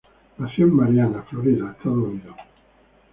Nació en Marianna, Florida, Estados Unidos.